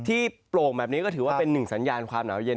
โปร่งแบบนี้ก็ถือว่าเป็นหนึ่งสัญญาณความหนาวเย็น